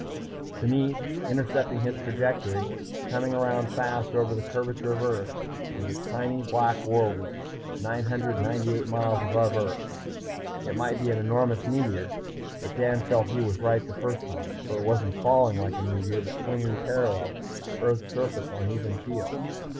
Beneath, intercepting his trajectory, coming around fast over the curvature of Earth, was a tiny black worldlet, 998 miles above Earth. It might be an enormous meteor, but Dan felt he was right the first time. For it wasn't falling like a meteor but swinging parallel to Earth's surface on even keel.